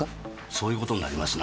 そういう事になりますな。